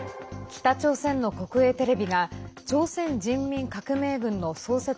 北朝鮮の国営テレビが朝鮮人民革命軍の創設